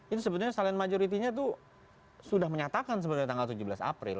itu sebetulnya silent majority nya itu sudah menyatakan sebenarnya tanggal tujuh belas april